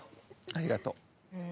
ありがとう。